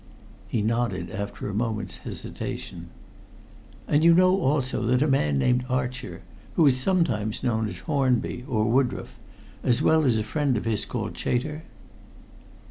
He nodded, after a moment's hesitation. "And you know also a man named Archer who is sometimes known as Hornby, or Woodroffe as well as a friend of his called Chater."